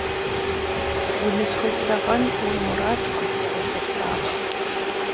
Унысхуеблэгъэн уи мурадкъым уэ сэ слъагъум.